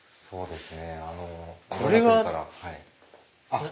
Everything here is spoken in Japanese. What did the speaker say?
そうですね。